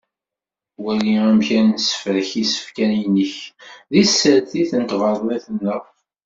Wali amek ad nessefrek isefka yinek di tsertit n tbaḍnit-nneɣ.